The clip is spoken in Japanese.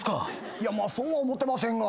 いやまあそうは思ってませんが。